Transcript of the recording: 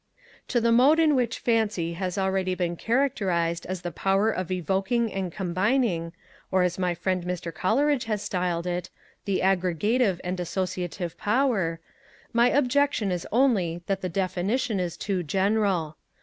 To the mode in which Fancy has already been characterized as the power of evoking and combining, or, as my friend Mr. Coleridge has styled it, 'the aggregative and associative power,' my objection is only that the definition is too general.